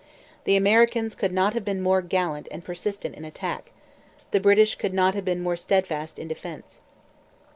The Americans could not have been more gallant and persistent in attack: the British could not have been more steadfast in defence.